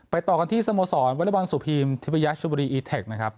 ต่อกันที่สโมสรวอเล็กบอลสุพีมทิพยาชุบุรีอีเทคนะครับ